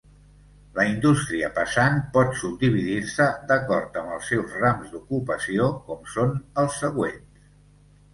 La indústria pesant pot subdividir-se d'acord amb els seus rams d'ocupació com són els següents.